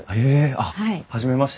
あっ初めまして。